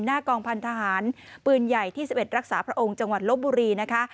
หน้ากองพันธหารปืนใหญ่ที่๑๑รักษาพระองค์จังหวัดลบบุรีนะคะ